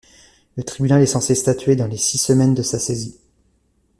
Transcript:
Le tribunal est censé statuer dans les six semaines de sa saisie.